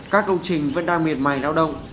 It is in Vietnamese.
các công trình vẫn đang miệt mài lao động